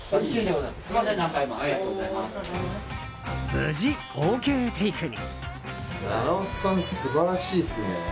無事、ＯＫテイクに。